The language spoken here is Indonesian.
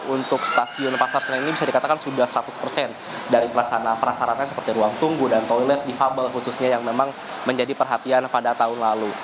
untuk stasiun pasar senen ini bisa dikatakan sudah seratus persen dari prasarana seperti ruang tunggu dan toilet difabel khususnya yang memang menjadi perhatian pada tahun lalu